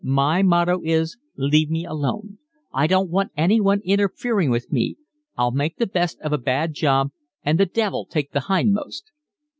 My motto is, leave me alone; I don't want anyone interfering with me; I'll make the best of a bad job, and the devil take the hindmost."